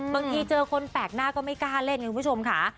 บางทีเจอคนแปลกหน้าก็ไม่กล้าเล่นไงคุณผู้ชมค่ะ